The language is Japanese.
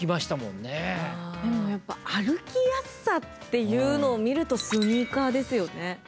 でもやっぱ歩きやすさっていうのを見るとスニーカーですよね。